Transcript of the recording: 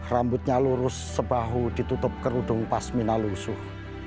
rambutnya lurus sebahu ditutup kerudung pasmina lusuh